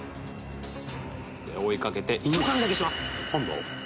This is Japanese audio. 「追いかけてひと噛みだけします」